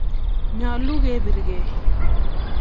nyolu keribgei